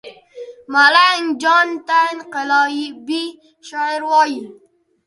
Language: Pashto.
ملنګ جان ته انقلابي شاعر وايي